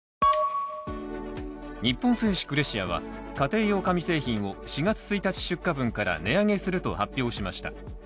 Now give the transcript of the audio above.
日本製紙クレシアは家庭用紙製品を４月１日出荷分から値上げすると発表しました。